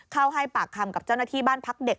ให้ปากคำกับเจ้าหน้าที่บ้านพักเด็ก